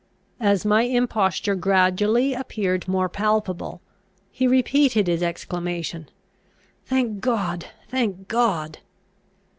As my imposture gradually appeared more palpable, he repeated his exclamation, "Thank God! thank God!"